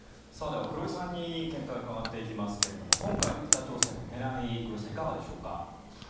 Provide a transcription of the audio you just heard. では、黒井さんに見解を伺っていきますけれど今回の北朝鮮の狙い黒井さん、いかがでしょうか？